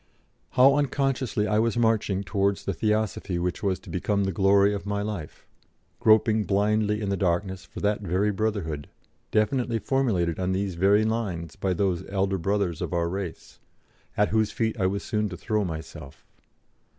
How unconsciously I was marching towards the Theosophy which was to become the glory of my life, groping blindly in the darkness for that very brotherhood, definitely formulated on these very lines by those Elder Brothers of our race, at whose feet I was so soon to throw myself.